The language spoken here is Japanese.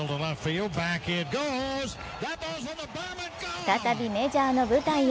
再びメジャーの舞台へ。